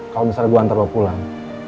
kalau misalnya gue antar gue pulang